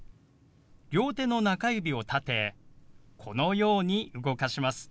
両手の中指を立てこのように動かします。